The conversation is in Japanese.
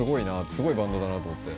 すごいバンドだなと思って。